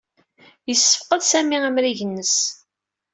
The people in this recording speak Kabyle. Yessefqed Sami amrig-nnes.